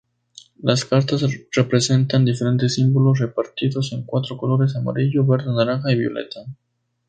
Las cartas representan diferentes símbolos repartidos en cuatro colores: amarillo, verde, naranja y violeta.